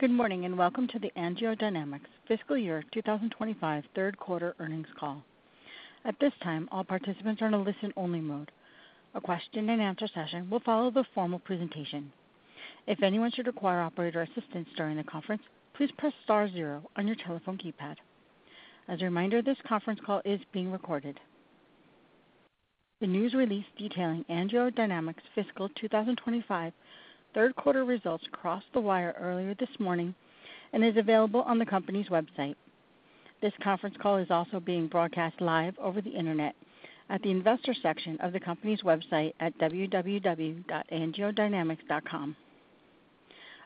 Good morning and welcome to the AngioDynamics Fiscal Year 2025 Third Quarter Earnings Call. At this time, all participants are in a listen-only mode. A question-and-answer session will follow the formal presentation. If anyone should require operator assistance during the conference, please press star zero on your telephone keypad. As a reminder, this conference call is being recorded. The news release detailing AngioDynamics Fiscal 2025 Third Quarter results crossed the wire earlier this morning and is available on the company's website. This conference call is also being broadcast live over the internet at the investor section of the company's website at www.angiodynamics.com.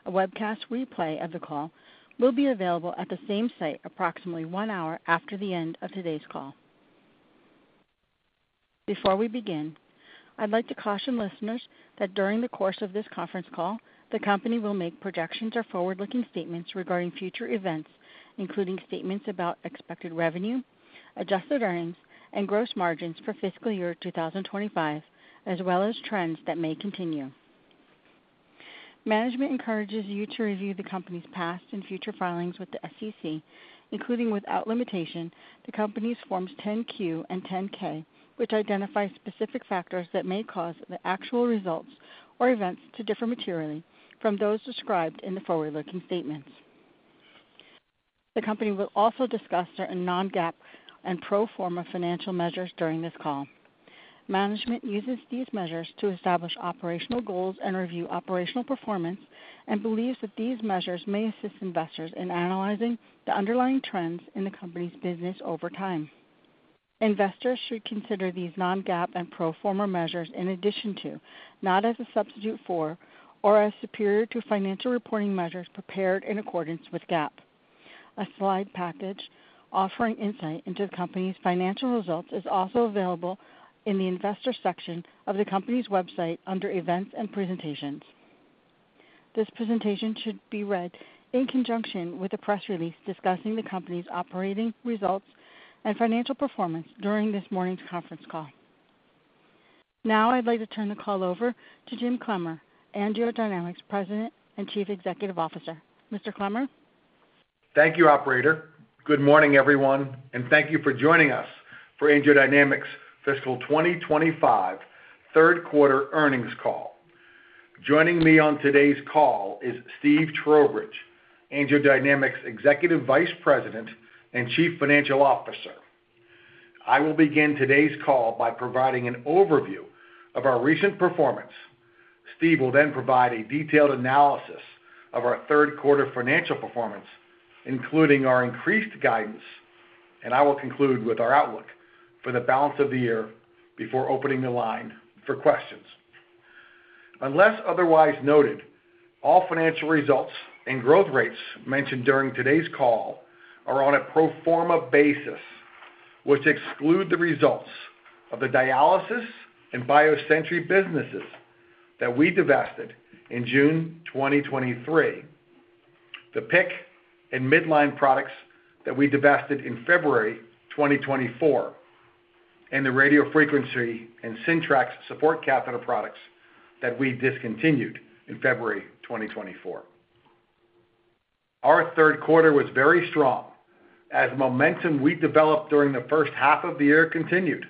A webcast replay of the call will be available at the same site approximately one hour after the end of today's call. Before we begin, I'd like to caution listeners that during the course of this conference call, the company will make projections or forward-looking statements regarding future events, including statements about expected revenue, adjusted earnings, and gross margins for Fiscal Year 2025, as well as trends that may continue. Management encourages you to review the company's past and future filings with the SEC, including without limitation, the company's Forms 10Q and 10K, which identify specific factors that may cause the actual results or events to differ materially from those described in the forward-looking statements. The company will also discuss certain non-GAAP and pro forma financial measures during this call. Management uses these measures to establish operational goals and review operational performance and believes that these measures may assist investors in analyzing the underlying trends in the company's business over time. Investors should consider these non-GAAP and pro forma measures in addition to, not as a substitute for or as superior to, financial reporting measures prepared in accordance with GAAP. A slide package offering insight into the company's financial results is also available in the investor section of the company's website under Events and Presentations. This presentation should be read in conjunction with a press release discussing the company's operating results and financial performance during this morning's conference call. Now, I'd like to turn the call over to Jim Clemmer, AngioDynamics President and Chief Executive Officer. Mr. Clemmer. Thank you, Operator. Good morning, everyone, and thank you for joining us for AngioDynamics Fiscal 2025 Third Quarter Earnings Call. Joining me on today's call is Steve Trowbridge, AngioDynamics Executive Vice President and Chief Financial Officer. I will begin today's call by providing an overview of our recent performance. Steve will then provide a detailed analysis of our third quarter financial performance, including our increased guidance, and I will conclude with our outlook for the balance of the year before opening the line for questions. Unless otherwise noted, all financial results and growth rates mentioned during today's call are on a pro forma basis, which exclude the results of the dialysis and BioSentry businesses that we divested in June 2023, the PIC and midline products that we divested in February 2024, and the radiofrequency and Sintrax support catheter products that we discontinued in February 2024. Our third quarter was very strong as momentum we developed during the first half of the year continued.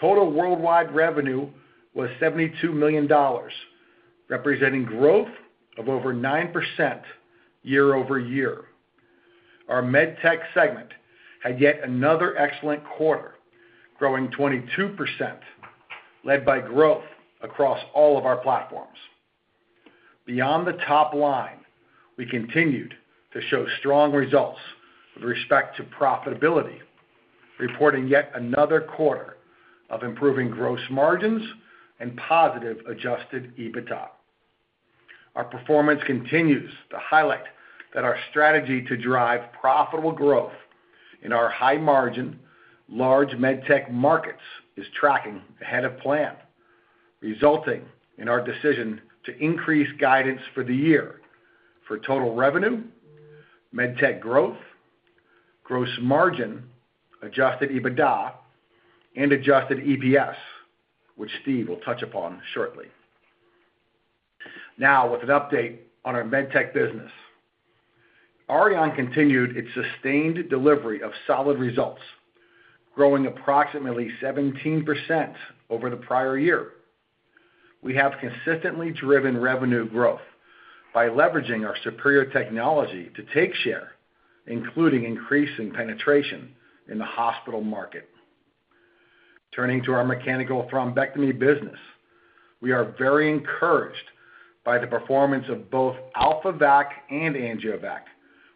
Total worldwide revenue was $72 million, representing growth of over 9% year over year. Our med tech segment had yet another excellent quarter, growing 22%, led by growth across all of our platforms. Beyond the top line, we continued to show strong results with respect to profitability, reporting yet another quarter of improving gross margins and positive adjusted EBITDA. Our performance continues to highlight that our strategy to drive profitable growth in our high-margin, large med tech markets is tracking ahead of plan, resulting in our decision to increase guidance for the year for total revenue, med tech growth, gross margin, adjusted EBITDA, and adjusted EPS, which Steve will touch upon shortly. Now, with an update on our med tech business, Auryon continued its sustained delivery of solid results, growing approximately 17% over the prior year. We have consistently driven revenue growth by leveraging our superior technology to take share, including increasing penetration in the hospital market. Turning to our mechanical thrombectomy business, we are very encouraged by the performance of both AlphaVac and AngioVac,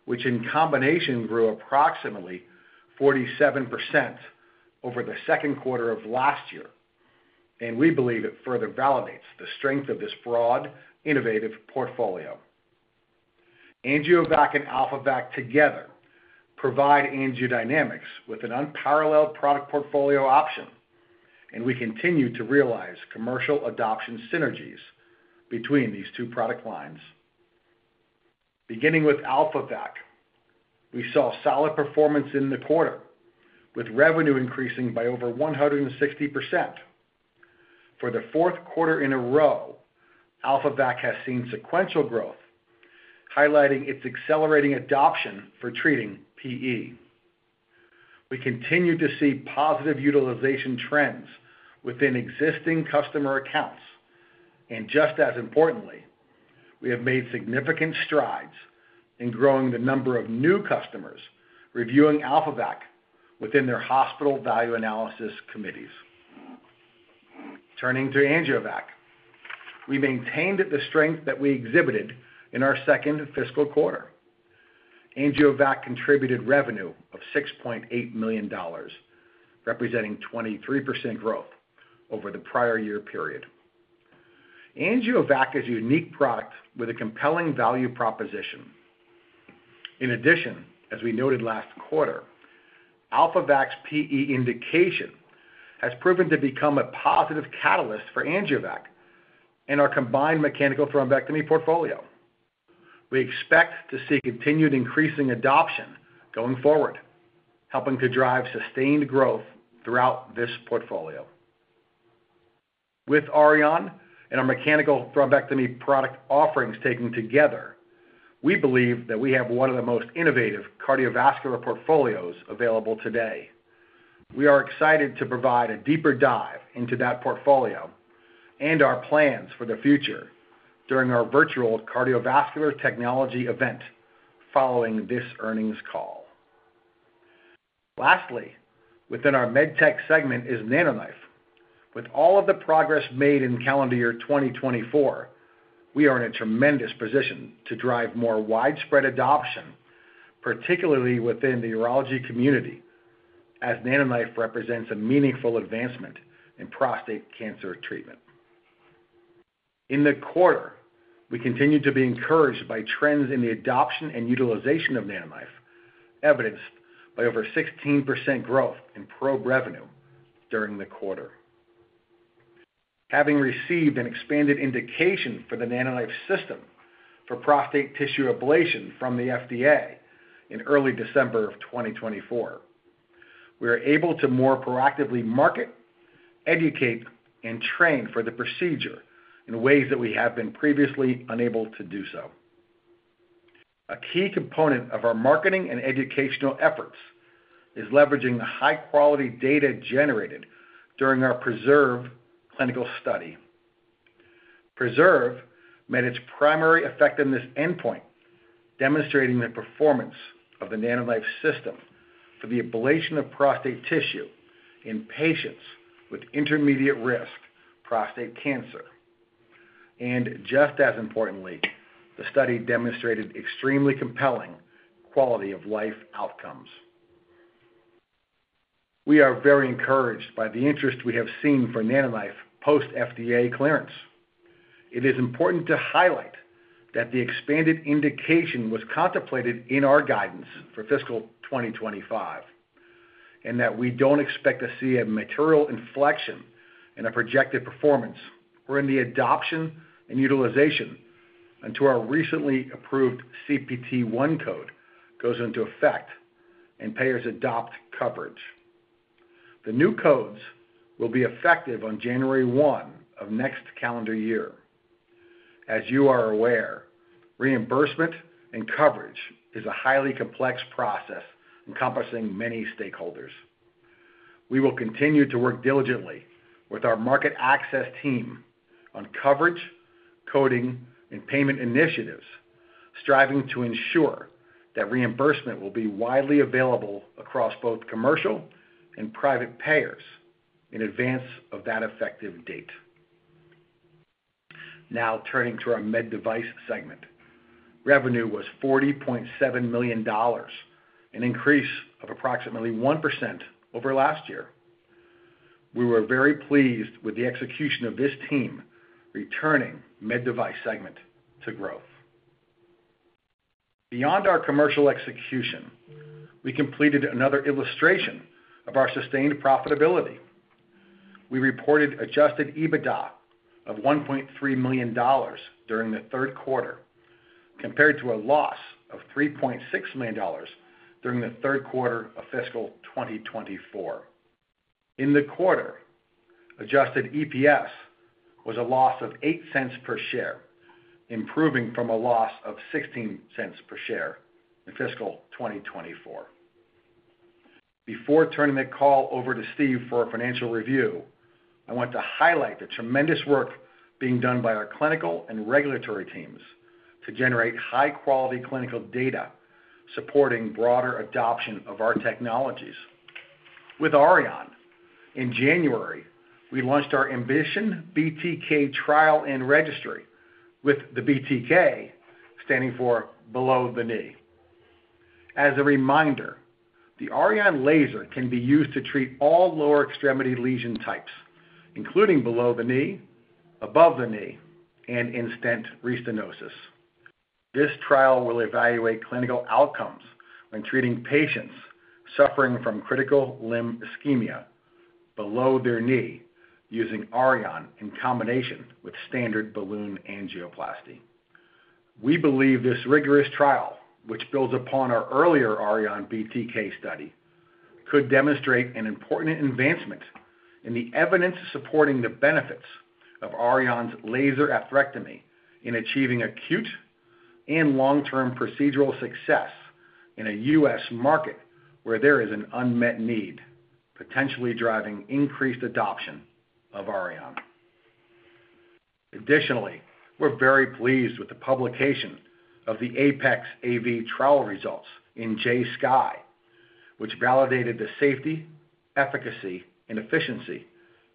which in combination grew approximately 47% over the second quarter of last year, and we believe it further validates the strength of this broad, innovative portfolio. AngioVac and AlphaVac together provide AngioDynamics with an unparalleled product portfolio option, and we continue to realize commercial adoption synergies between these two product lines. Beginning with AlphaVac, we saw solid performance in the quarter, with revenue increasing by over 160%. For the fourth quarter in a row, AlphaVac has seen sequential growth, highlighting its accelerating adoption for treating PE. We continue to see positive utilization trends within existing customer accounts, and just as importantly, we have made significant strides in growing the number of new customers reviewing AlphaVac within their hospital value analysis committees. Turning to AngioVac, we maintained the strength that we exhibited in our second fiscal quarter. AngioVac contributed revenue of $6.8 million, representing 23% growth over the prior year period. AngioVac is a unique product with a compelling value proposition. In addition, as we noted last quarter, AlphaVac's PE indication has proven to become a positive catalyst for AngioVac and our combined mechanical thrombectomy portfolio. We expect to see continued increasing adoption going forward, helping to drive sustained growth throughout this portfolio. With Auryon and our mechanical thrombectomy product offerings taken together, we believe that we have one of the most innovative cardiovascular portfolios available today. We are excited to provide a deeper dive into that portfolio and our plans for the future during our virtual cardiovascular technology event following this earnings call. Lastly, within our med tech segment is NanoKnife. With all of the progress made in calendar year 2024, we are in a tremendous position to drive more widespread adoption, particularly within the urology community, as NanoKnife represents a meaningful advancement in prostate cancer treatment. In the quarter, we continue to be encouraged by trends in the adoption and utilization of NanoKnife, evidenced by over 16% growth in pro revenue during the quarter. Having received an expanded indication for the NanoKnife system for prostate tissue ablation from the FDA in early December of 2024, we are able to more proactively market, educate, and train for the procedure in ways that we have been previously unable to do so. A key component of our marketing and educational efforts is leveraging the high-quality data generated during our PRESERVE clinical study. PRESERVE met its primary effectiveness endpoint, demonstrating the performance of the NanoKnife system for the ablation of prostate tissue in patients with intermediate-risk prostate cancer. Just as importantly, the study demonstrated extremely compelling quality-of-life outcomes. We are very encouraged by the interest we have seen for NanoKnife post-FDA clearance. It is important to highlight that the expanded indication was contemplated in our guidance for fiscal 2025 and that we don't expect to see a material inflection in our projected performance or in the adoption and utilization until our recently approved CPT-1 code goes into effect and payers adopt coverage. The new codes will be effective on January 1 of next calendar year. As you are aware, reimbursement and coverage is a highly complex process encompassing many stakeholders. We will continue to work diligently with our market access team on coverage, coding, and payment initiatives, striving to ensure that reimbursement will be widely available across both commercial and private payers in advance of that effective date. Now, turning to our med device segment, revenue was $40.7 million, an increase of approximately 1% over last year. We were very pleased with the execution of this team returning med device segment to growth. Beyond our commercial execution, we completed another illustration of our sustained profitability. We reported adjusted EBITDA of $1.3 million during the third quarter, compared to a loss of $3.6 million during the third quarter of fiscal 2024. In the quarter, adjusted EPS was a loss of $0.08 per share, improving from a loss of $0.16 per share in fiscal 2024. Before turning the call over to Steve for a financial review, I want to highlight the tremendous work being done by our clinical and regulatory teams to generate high-quality clinical data supporting broader adoption of our technologies. With Auryon, in January, we launched our Ambition BTK trial and registry, with the BTK standing for below the knee. As a reminder, the Arion laser can be used to treat all lower extremity lesion types, including below the knee, above the knee, and in-stent restenosis. This trial will evaluate clinical outcomes when treating patients suffering from critical limb ischemia below their knee using Auryon in combination with standard balloon angioplasty. We believe this rigorous trial, which builds upon our earlier Auryon BTK study, could demonstrate an important advancement in the evidence supporting the benefits of Auryon laser atherectomy in achieving acute and long-term procedural success in a U.S. market where there is an unmet need, potentially driving increased adoption of Auryon. Additionally, we're very pleased with the publication of the APEX AV trial results in JSCI, which validated the safety, efficacy, and efficiency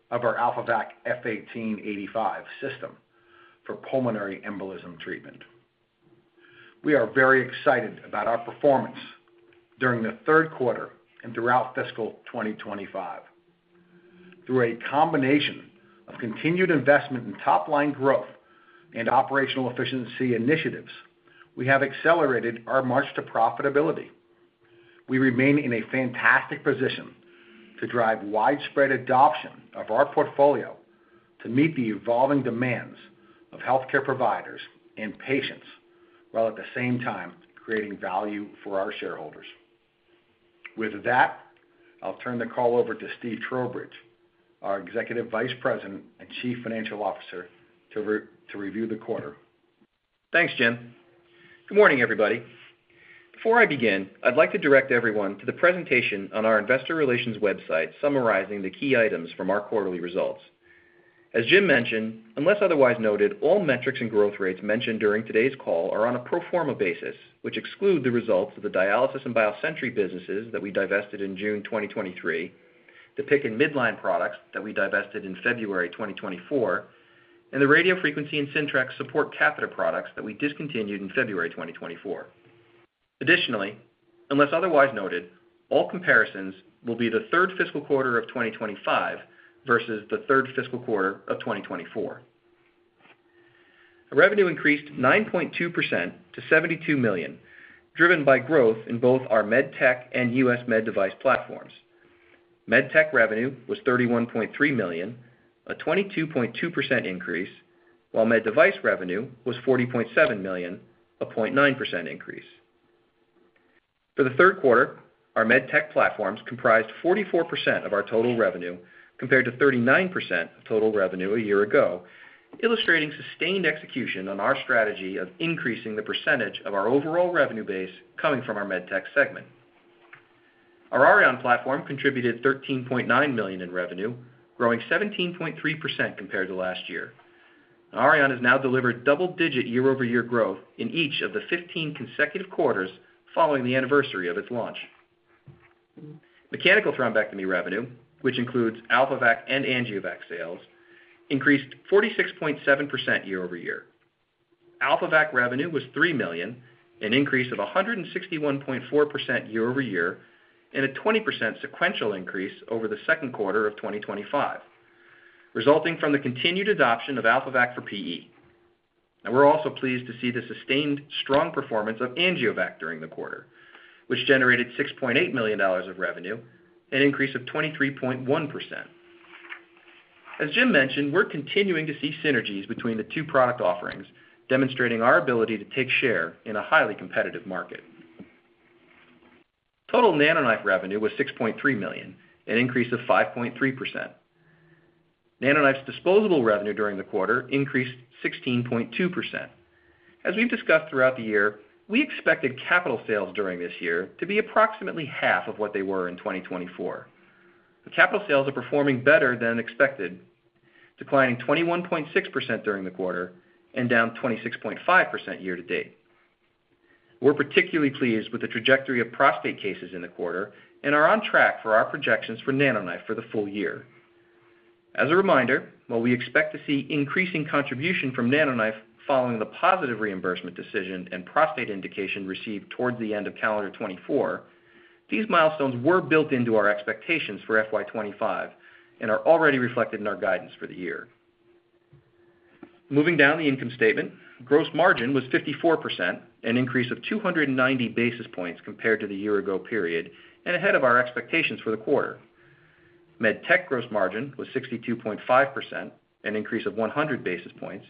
of our AlphaVac F1885 system for pulmonary embolism treatment. We are very excited about our performance during the third quarter and throughout fiscal 2025. Through a combination of continued investment in top-line growth and operational efficiency initiatives, we have accelerated our march to profitability. We remain in a fantastic position to drive widespread adoption of our portfolio to meet the evolving demands of healthcare providers and patients, while at the same time creating value for our shareholders. With that, I'll turn the call over to Steve Trowbridge, our Executive Vice President and Chief Financial Officer, to review the quarter. Thanks, Jim. Good morning, everybody. Before I begin, I'd like to direct everyone to the presentation on our investor relations website summarizing the key items from our quarterly results. As Jim mentioned, unless otherwise noted, all metrics and growth rates mentioned during today's call are on a pro forma basis, which exclude the results of the dialysis and BioSentry businesses that we divested in June 2023, the PIC and midline products that we divested in February 2024, and the radiofrequency and Syntrax support catheter products that we discontinued in February 2024. Additionally, unless otherwise noted, all comparisons will be the third fiscal quarter of 2025 versus the third fiscal quarter of 2024. Revenue increased 9.2% to $72 million, driven by growth in both our med tech and U.S. med device platforms. Med tech revenue was $31.3 million, a 22.2% increase, while med device revenue was $40.7 million, a 0.9% increase. For the third quarter, our med tech platforms comprised 44% of our total revenue, compared to 39% of total revenue a year ago, illustrating sustained execution on our strategy of increasing the percentage of our overall revenue base coming from our med tech segment. Our Auryon platform contributed $13.9 million in revenue, growing 17.3% compared to last year. Auryon has now delivered double-digit year-over-year growth in each of the 15 consecutive quarters following the anniversary of its launch. Mechanical thrombectomy revenue, which includes AlphaVac and AngioVac sales, increased 46.7% year-over-year. AlphaVac revenue was $3 million, an increase of 161.4% year-over-year, and a 20% sequential increase over the second quarter of 2025, resulting from the continued adoption of AlphaVac for PE. Now, we're also pleased to see the sustained strong performance of AngioVac during the quarter, which generated $6.8 million of revenue, an increase of 23.1%. As Jim mentioned, we're continuing to see synergies between the two product offerings, demonstrating our ability to take share in a highly competitive market. Total NanoKnife revenue was $6.3 million, an increase of 5.3%. NanoKnife's disposable revenue during the quarter increased 16.2%. As we've discussed throughout the year, we expected capital sales during this year to be approximately half of what they were in 2024. The capital sales are performing better than expected, declining 21.6% during the quarter and down 26.5% year-to-date. We're particularly pleased with the trajectory of prostate cases in the quarter and are on track for our projections for NanoKnife for the full year. As a reminder, while we expect to see increasing contribution from NanoKnife following the positive reimbursement decision and prostate indication received towards the end of calendar 2024, these milestones were built into our expectations for FY25 and are already reflected in our guidance for the year. Moving down the income statement, gross margin was 54%, an increase of 290 basis points compared to the year-ago period and ahead of our expectations for the quarter. Med tech gross margin was 62.5%, an increase of 100 basis points,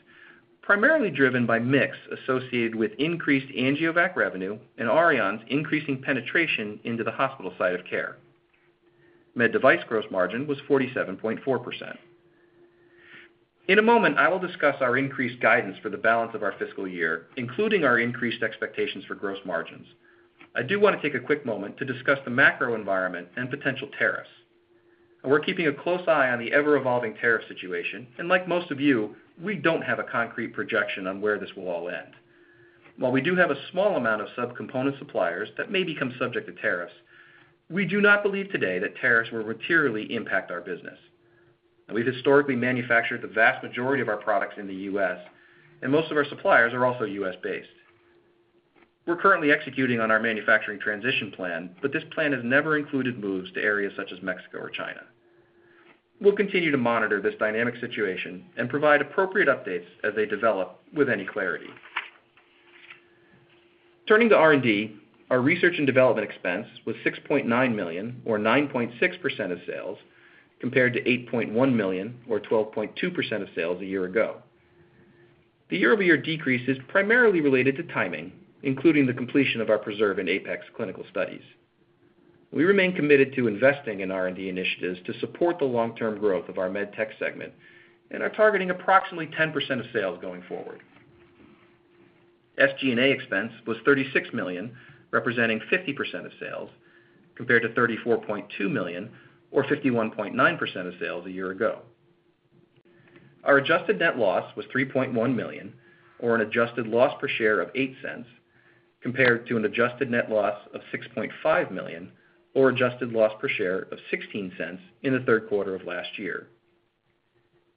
primarily driven by mix associated with increased AngioVac revenue and Arion's increasing penetration into the hospital side of care. Med device gross margin was 47.4%. In a moment, I will discuss our increased guidance for the balance of our fiscal year, including our increased expectations for gross margins. I do want to take a quick moment to discuss the macro environment and potential tariffs. We're keeping a close eye on the ever-evolving tariff situation, and like most of you, we don't have a concrete projection on where this will all end. While we do have a small amount of subcomponent suppliers that may become subject to tariffs, we do not believe today that tariffs will materially impact our business. We've historically manufactured the vast majority of our products in the U.S., and most of our suppliers are also U.S.-based. We're currently executing on our manufacturing transition plan, but this plan has never included moves to areas such as Mexico or China. We'll continue to monitor this dynamic situation and provide appropriate updates as they develop with any clarity. Turning to R&D, our research and development expense was $6.9 million, or 9.6% of sales, compared to $8.1 million, or 12.2% of sales a year ago. The year-over-year decrease is primarily related to timing, including the completion of our PRESERVE and APEX clinical studies. We remain committed to investing in R&D initiatives to support the long-term growth of our med tech segment and are targeting approximately 10% of sales going forward. SG&A expense was $36 million, representing 50% of sales, compared to $34.2 million, or 51.9% of sales a year ago. Our adjusted net loss was $3.1 million, or an adjusted loss per share of $0.08, compared to an adjusted net loss of $6.5 million, or adjusted loss per share of $0.16 in the third quarter of last year.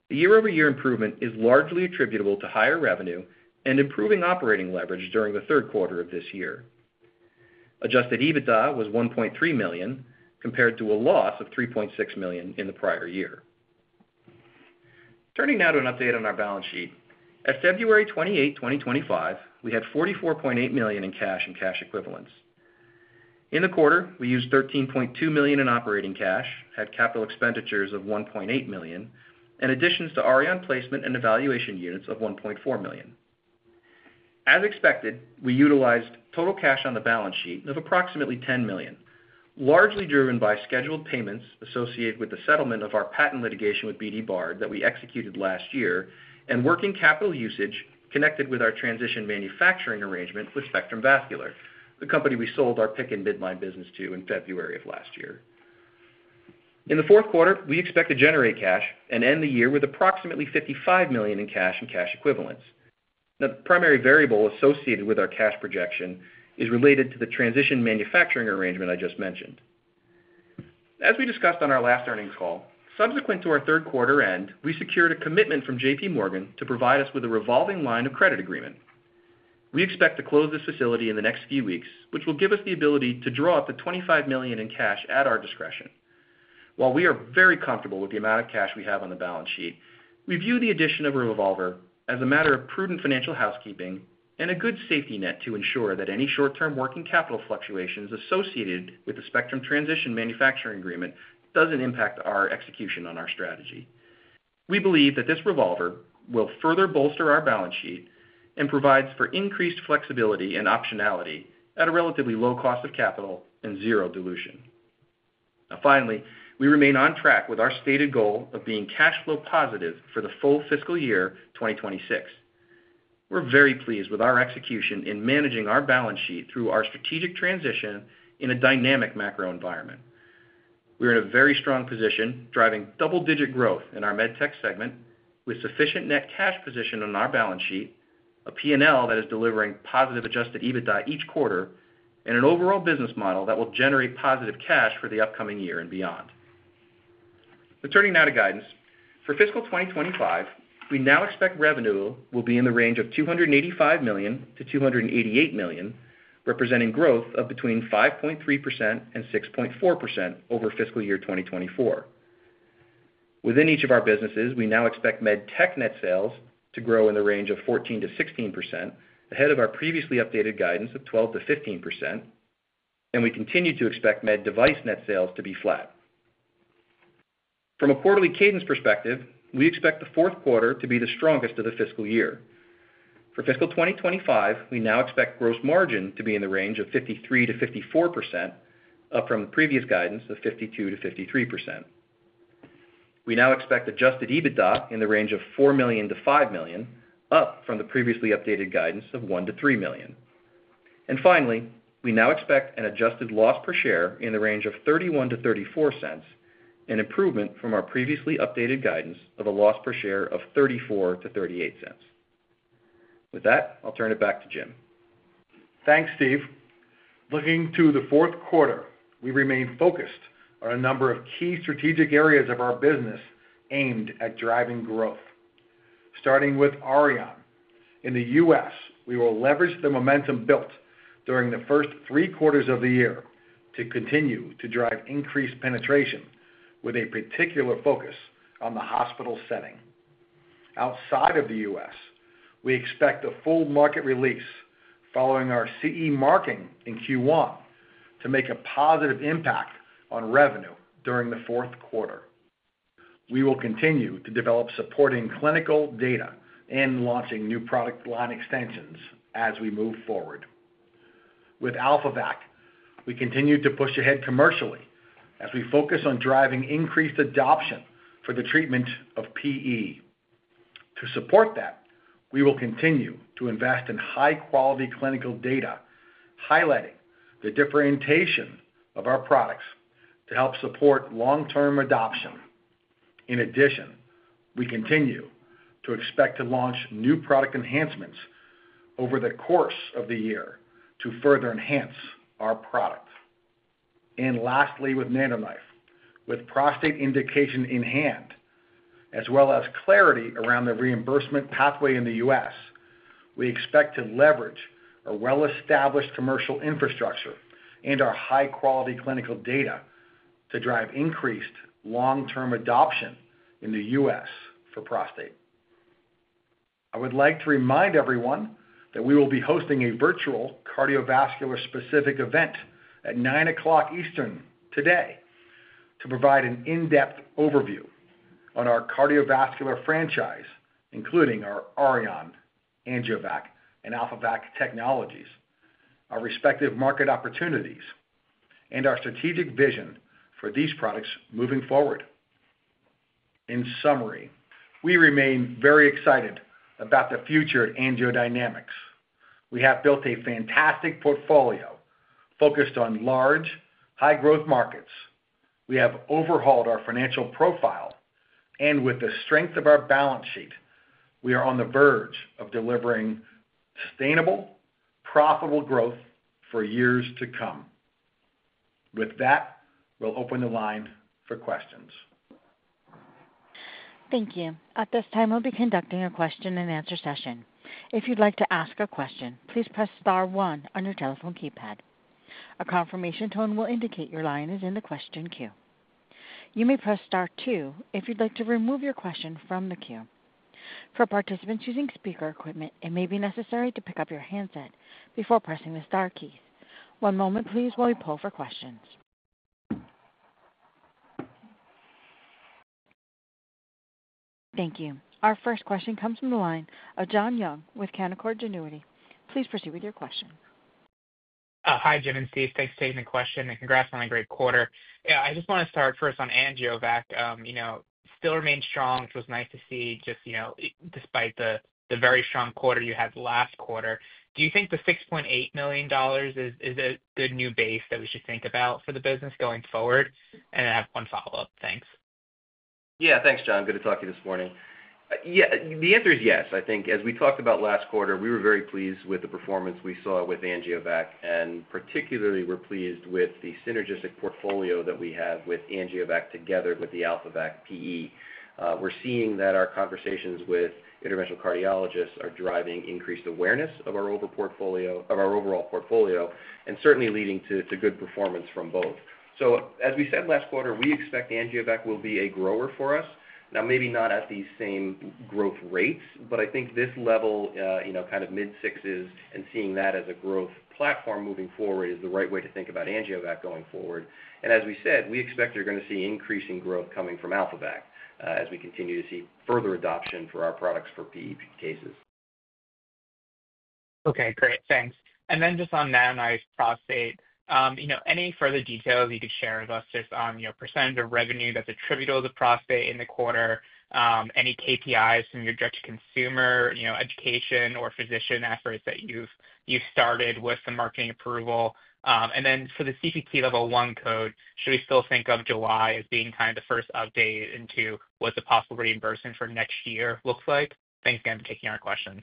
The year-over-year improvement is largely attributable to higher revenue and improving operating leverage during the third quarter of this year. Adjusted EBITDA was $1.3 million, compared to a loss of $3.6 million in the prior year. Turning now to an update on our balance sheet. As of February 28, 2025, we had $44.8 million in cash and cash equivalents. In the quarter, we used $13.2 million in operating cash, had capital expenditures of $1.8 million, and additions to Arion placement and evaluation units of $1.4 million. As expected, we utilized total cash on the balance sheet of approximately $10 million, largely driven by scheduled payments associated with the settlement of our patent litigation with BD Bard that we executed last year and working capital usage connected with our transition manufacturing arrangement with Spectrum Vascular, the company we sold our PIC and midline business to in February of last year. In the fourth quarter, we expect to generate cash and end the year with approximately $55 million in cash and cash equivalents. Now, the primary variable associated with our cash projection is related to the transition manufacturing arrangement I just mentioned. As we discussed on our last earnings call, subsequent to our third quarter end, we secured a commitment from JPMorgan to provide us with a revolving line of credit agreement. We expect to close this facility in the next few weeks, which will give us the ability to draw up to $25 million in cash at our discretion. While we are very comfortable with the amount of cash we have on the balance sheet, we view the addition of a revolver as a matter of prudent financial housekeeping and a good safety net to ensure that any short-term working capital fluctuations associated with the Spectrum Transition Manufacturing Agreement do not impact our execution on our strategy. We believe that this revolver will further bolster our balance sheet and provides for increased flexibility and optionality at a relatively low cost of capital and zero dilution. Now, finally, we remain on track with our stated goal of being cash flow positive for the full fiscal year 2026. We're very pleased with our execution in managing our balance sheet through our strategic transition in a dynamic macro environment. We are in a very strong position, driving double-digit growth in our med tech segment with sufficient net cash position on our balance sheet, a P&L that is delivering positive adjusted EBITDA each quarter, and an overall business model that will generate positive cash for the upcoming year and beyond. Turning now to guidance. For fiscal 2025, we now expect revenue will be in the range of $285 million-$288 million, representing growth of between 5.3% and 6.4% over fiscal year 2024. Within each of our businesses, we now expect med tech net sales to grow in the range of 14%-16%, ahead of our previously updated guidance of 12%-15%, and we continue to expect med device net sales to be flat. From a quarterly cadence perspective, we expect the fourth quarter to be the strongest of the fiscal year. For fiscal 2025, we now expect gross margin to be in the range of 53%-54%, up from the previous guidance of 52%-53%. We now expect adjusted EBITDA in the range of $4 million-$5 million, up from the previously updated guidance of $1 million-$3 million. Finally, we now expect an adjusted loss per share in the range of $0.31-$0.34, an improvement from our previously updated guidance of a loss per share of $0.34-$0.38. With that, I'll turn it back to Jim. Thanks, Steve. Looking to the fourth quarter, we remain focused on a number of key strategic areas of our business aimed at driving growth. Starting with Arion, in the U.S., we will leverage the momentum built during the first three quarters of the year to continue to drive increased penetration with a particular focus on the hospital setting. Outside of the U.S., we expect a full market release following our CE marking in Q1 to make a positive impact on revenue during the fourth quarter. We will continue to develop supporting clinical data and launching new product line extensions as we move forward. With AlphaVac, we continue to push ahead commercially as we focus on driving increased adoption for the treatment of PE. To support that, we will continue to invest in high-quality clinical data, highlighting the differentiation of our products to help support long-term adoption. In addition, we continue to expect to launch new product enhancements over the course of the year to further enhance our product. Lastly, with NanoKnife, with prostate indication in hand, as well as clarity around the reimbursement pathway in the U.S., we expect to leverage our well-established commercial infrastructure and our high-quality clinical data to drive increased long-term adoption in the U.S. for prostate. I would like to remind everyone that we will be hosting a virtual cardiovascular-specific event at 9:00 A.M. Eastern today to provide an in-depth overview on our cardiovascular franchise, including our Arion, AngioVac, and AlphaVac technologies, our respective market opportunities, and our strategic vision for these products moving forward. In summary, we remain very excited about the future of AngioDynamics. We have built a fantastic portfolio focused on large, high-growth markets. We have overhauled our financial profile, and with the strength of our balance sheet, we are on the verge of delivering sustainable, profitable growth for years to come. With that, we'll open the line for questions. Thank you. At this time, we'll be conducting a question-and-answer session. If you'd like to ask a question, please press star one on your telephone keypad. A confirmation tone will indicate your line is in the question queue. You may press star two if you'd like to remove your question from the queue. For participants using speaker equipment, it may be necessary to pick up your handset before pressing the star keys. One moment, please, while we pull for questions. Thank you. Our first question comes from the line of John Young with Canaccord Genuity. Please proceed with your question. Hi, Jim and Steve. Thanks for taking the question, and congrats on a great quarter. I just want to start first on AngioVac. Still remains strong, which was nice to see, just despite the very strong quarter you had last quarter. Do you think the $6.8 million is a good new base that we should think about for the business going forward? I have one follow-up. Thanks. Yeah, thanks, John. Good to talk to you this morning. Yeah, the answer is yes. I think as we talked about last quarter, we were very pleased with the performance we saw with AngioVac, and particularly we're pleased with the synergistic portfolio that we have with AngioVac together with the AlphaVac PE. We're seeing that our conversations with interventional cardiologists are driving increased awareness of our overall portfolio and certainly leading to good performance from both. As we said last quarter, we expect AngioVac will be a grower for us. Now, maybe not at the same growth rates, but I think this level, kind of mid-sixes, and seeing that as a growth platform moving forward is the right way to think about AngioVac going forward. As we said, we expect you're going to see increasing growth coming from AlphaVac as we continue to see further adoption for our products for PE cases. Okay, great. Thanks. Then just on NanoKnife prostate, any further details you could share with us just on your percentage of revenue that's attributable to prostate in the quarter, any KPIs from your direct-to-consumer education or physician efforts that you've started with some marketing approval? For the CPT Level 1 code, should we still think of July as being kind of the first update into what the possible reimbursement for next year looks like? Thanks again for taking our questions.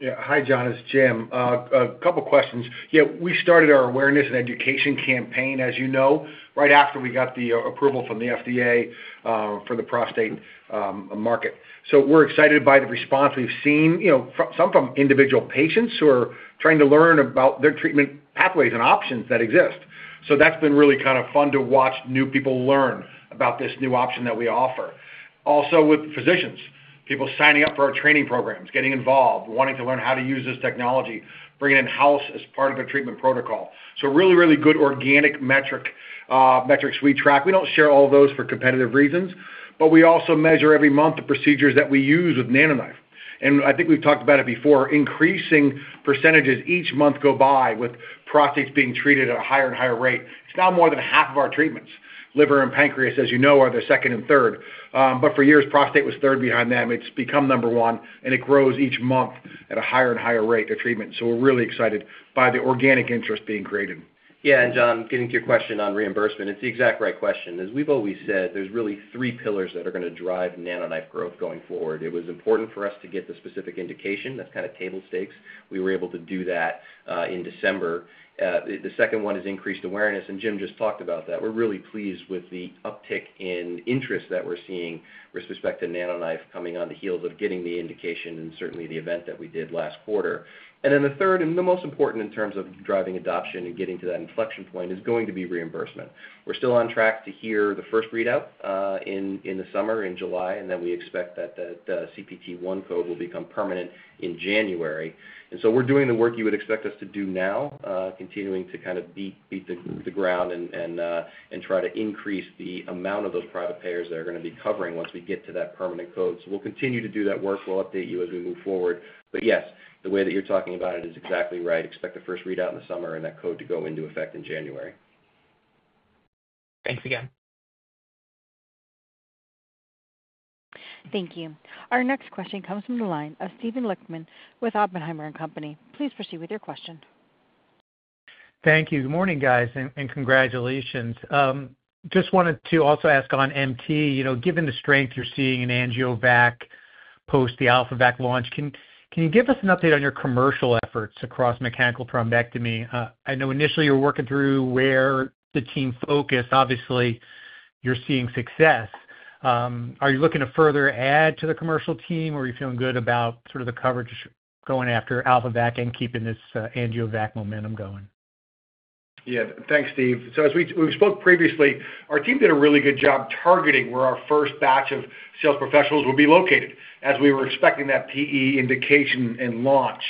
Yeah, hi, John. It's Jim. A couple of questions. Yeah, we started our awareness and education campaign, as you know, right after we got the approval from the FDA for the prostate market. We are excited by the response we've seen, some from individual patients who are trying to learn about their treatment pathways and options that exist. That has been really kind of fun to watch new people learn about this new option that we offer. Also with physicians, people signing up for our training programs, getting involved, wanting to learn how to use this technology, bringing it in-house as part of their treatment protocol. Really, really good organic metrics we track. We do not share all those for competitive reasons, but we also measure every month the procedures that we use with NanoKnife. I think we've talked about it before, increasing percentages each month go by with prostates being treated at a higher and higher rate. It's now more than half of our treatments. Liver and pancreas, as you know, are the second and third. For years, prostate was third behind them. It's become number one, and it grows each month at a higher and higher rate of treatment. We are really excited by the organic interest being created. Yeah, and John, getting to your question on reimbursement, it's the exact right question. As we've always said, there's really three pillars that are going to drive NanoKnife growth going forward. It was important for us to get the specific indication. That's kind of table stakes. We were able to do that in December. The second one is increased awareness. And Jim just talked about that. We're really pleased with the uptick in interest that we're seeing with respect to NanoKnife coming on the heels of getting the indication and certainly the event that we did last quarter. And then the third, and the most important in terms of driving adoption and getting to that inflection point, is going to be reimbursement. We're still on track to hear the first readout in the summer, in July, and then we expect that CPT-1 code will become permanent in January. We are doing the work you would expect us to do now, continuing to kind of beat the ground and try to increase the amount of those private payers that are going to be covering once we get to that permanent code. We will continue to do that work. We will update you as we move forward. Yes, the way that you are talking about it is exactly right. Expect the first readout in the summer and that code to go into effect in January. Thanks again. Thank you. Our next question comes from the line of Steven Lichtman with Oppenheimer & Company. Please proceed with your question. Thank you. Good morning, guys, and congratulations. Just wanted to also ask on MT, given the strength you're seeing in AngioVac post the AlphaVac launch, can you give us an update on your commercial efforts across mechanical thrombectomy? I know initially you were working through where the team focused. Obviously, you're seeing success. Are you looking to further add to the commercial team, or are you feeling good about sort of the coverage going after AlphaVac and keeping this AngioVac momentum going? Yeah, thanks, Steve. As we spoke previously, our team did a really good job targeting where our first batch of sales professionals will be located as we were expecting that PE indication and launch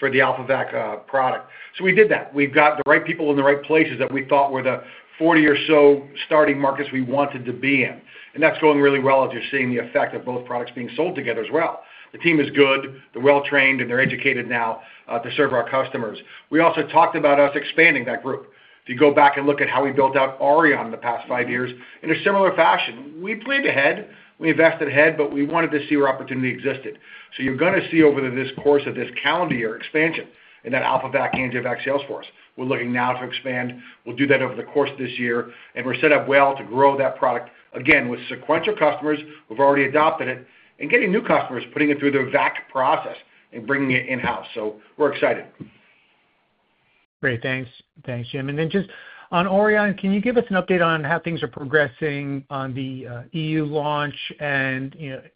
for the AlphaVac product. We did that. We've got the right people in the right places that we thought were the 40 or so starting markets we wanted to be in. That's going really well as you're seeing the effect of both products being sold together as well. The team is good. They're well-trained, and they're educated now to serve our customers. We also talked about us expanding that group. If you go back and look at how we built out Arion in the past five years, in a similar fashion, we planned ahead. We invested ahead, but we wanted to see where opportunity existed. You're going to see over the course of this calendar year expansion in that AlphaVac, AngioVac, Salesforce. We're looking now to expand. We'll do that over the course of this year. We're set up well to grow that product again with sequential customers who have already adopted it and getting new customers, putting it through the VAC process and bringing it in-house. We're excited. Great. Thanks, Jim. And then just on Arion, can you give us an update on how things are progressing on the EU launch and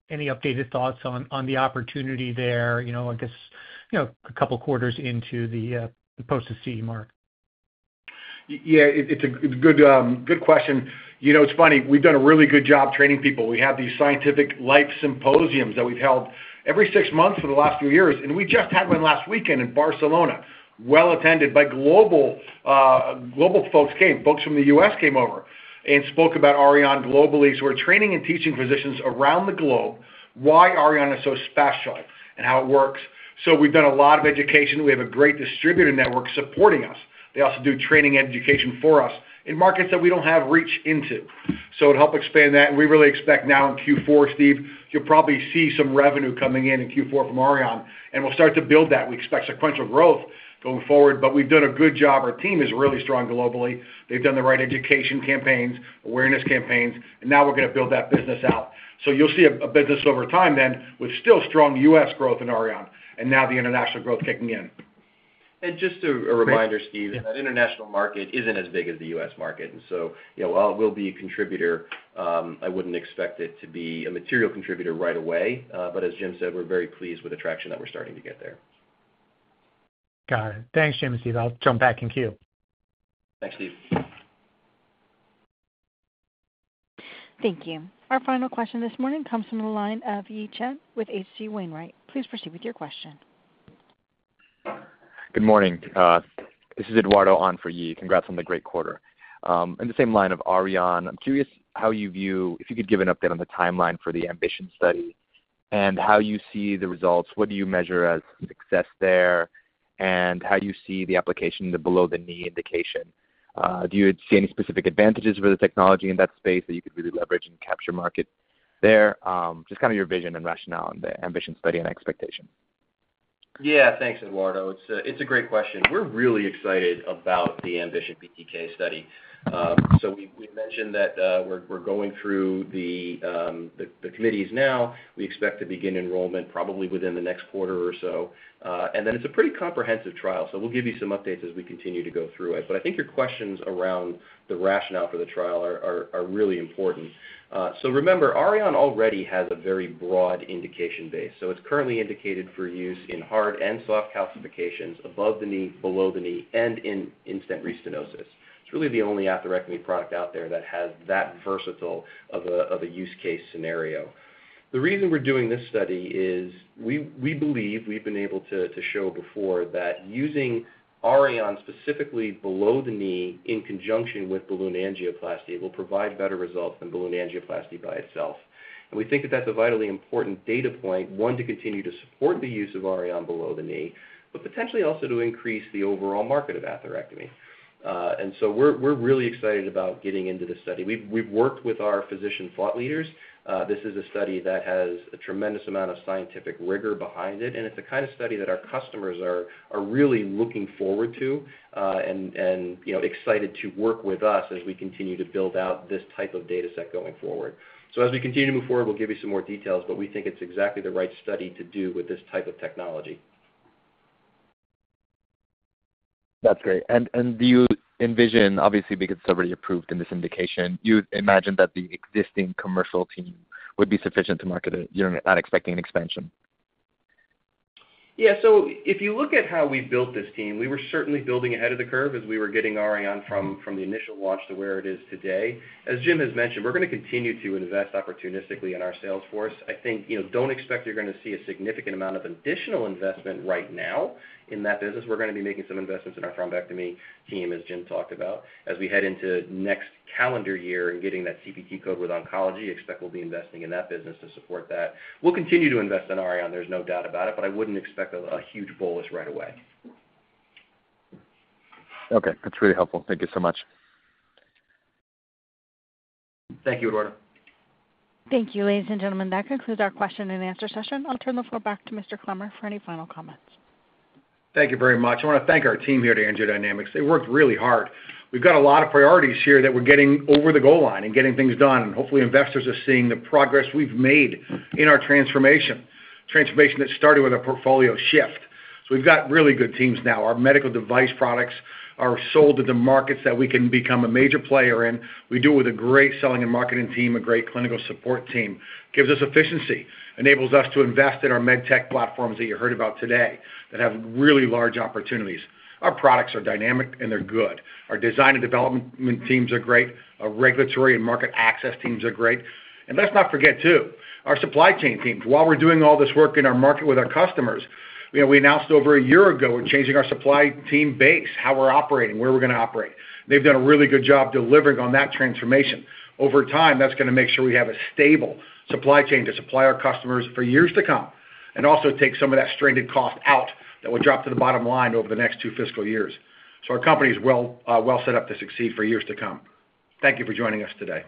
any updated thoughts on the opportunity there, I guess, a couple of quarters into the post-CE mark? Yeah, it's a good question. It's funny. We've done a really good job training people. We have these scientific live symposiums that we've held every six months for the last few years. We just had one last weekend in Barcelona, well attended by global folks. Folks from the U.S. came over and spoke about Arion globally. We are training and teaching physicians around the globe why Auryon is so special and how it works. We've done a lot of education. We have a great distributor network supporting us. They also do training and education for us in markets that we don't have reach into. It will help expand that. We really expect now in Q4, Steve, you'll probably see some revenue coming in in Q4 from Auryon, and we'll start to build that. We expect sequential growth going forward, but we've done a good job. Our team is really strong globally. They've done the right education campaigns, awareness campaigns, and now we're going to build that business out. You will see a business over time then with still strong U.S. growth in Auryon and now the international growth kicking in. Just a reminder, Steve, that international market isn't as big as the U.S. market. While it will be a contributor, I wouldn't expect it to be a material contributor right away. As Jim said, we're very pleased with the traction that we're starting to get there. Got it. Thanks, Jim and Steve. I'll jump back in queue. Thanks, Steve. Thank you. Our final question this morning comes from the line of Ye Chen with HC Wainwright. Please proceed with your question. Good morning. This is Eduardo on for Ye. Congrats on the great quarter. In the same line of Arion, I'm curious how you view if you could give an update on the timeline for the ambition study and how you see the results. What do you measure as success there and how you see the application, the below-the-knee indication? Do you see any specific advantages for the technology in that space that you could really leverage and capture market there? Just kind of your vision and rationale and the ambition study and expectation. Yeah, thanks, Eduardo. It's a great question. We're really excited about the ambition PTK study. We mentioned that we're going through the committees now. We expect to begin enrollment probably within the next quarter or so. It's a pretty comprehensive trial. We'll give you some updates as we continue to go through it. I think your questions around the rationale for the trial are really important. Remember, Arion already has a very broad indication base. It's currently indicated for use in hard and soft calcifications above the knee, below the knee, and in instant restenosis. It's really the only atherectomy product out there that has that versatile of a use case scenario. The reason we're doing this study is we believe we've been able to show before that using Arion specifically below the knee in conjunction with balloon angioplasty will provide better results than balloon angioplasty by itself. We think that that's a vitally important data point, one, to continue to support the use of Arion below the knee, but potentially also to increase the overall market of atherectomy. We are really excited about getting into this study. We've worked with our physician thought leaders. This is a study that has a tremendous amount of scientific rigor behind it. It's the kind of study that our customers are really looking forward to and excited to work with us as we continue to build out this type of data set going forward. As we continue to move forward, we'll give you some more details, but we think it's exactly the right study to do with this type of technology. That's great. Do you envision, obviously, because it's already approved in this indication, you imagine that the existing commercial team would be sufficient to market it? You're not expecting an expansion? Yeah. If you look at how we built this team, we were certainly building ahead of the curve as we were getting Arion from the initial launch to where it is today. As Jim has mentioned, we're going to continue to invest opportunistically in our Salesforce. I think don't expect you're going to see a significant amount of additional investment right now in that business. We're going to be making some investments in our thrombectomy team, as Jim talked about. As we head into next calendar year and getting that CPT code with oncology, expect we'll be investing in that business to support that. We'll continue to invest in Arion. There's no doubt about it, but I wouldn't expect a huge bolus right away. Okay. That's really helpful. Thank you so much. Thank you, Eduardo. Thank you, ladies and gentlemen. That concludes our question and answer session. I'll turn the floor back to Mr. Clemmer for any final comments. Thank you very much. I want to thank our team here at AngioDynamics. They worked really hard. We've got a lot of priorities here that we're getting over the goal line and getting things done. Hopefully, investors are seeing the progress we've made in our transformation, transformation that started with a portfolio shift. We've got really good teams now. Our medical device products are sold to the markets that we can become a major player in. We do it with a great selling and marketing team, a great clinical support team. It gives us efficiency, enables us to invest in our med tech platforms that you heard about today that have really large opportunities. Our products are dynamic, and they're good. Our design and development teams are great. Our regulatory and market access teams are great. Let's not forget too, our supply chain team. While we're doing all this work in our market with our customers, we announced over a year ago we're changing our supply team base, how we're operating, where we're going to operate. They've done a really good job delivering on that transformation. Over time, that's going to make sure we have a stable supply chain to supply our customers for years to come and also take some of that stranded cost out that will drop to the bottom line over the next two fiscal years. Our company is well set up to succeed for years to come. Thank you for joining us today.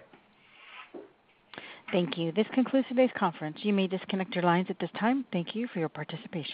Thank you. This concludes today's conference. You may disconnect your lines at this time. Thank you for your participation.